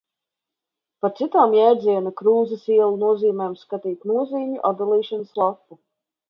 Par citām jēdziena Krūzes iela nozīmēm skatīt nozīmju atdalīšanas lapu.